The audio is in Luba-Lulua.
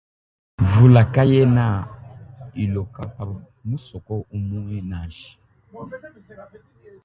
Mvula kayena iloka pa musoko umue nansha.